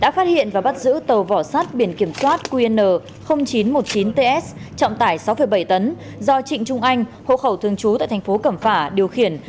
đã phát hiện và bắt giữ tàu vỏ sắt biển kiểm soát qn chín trăm một mươi chín ts trọng tải sáu bảy tấn do trịnh trung anh hộ khẩu thường trú tại thành phố cẩm phả điều khiển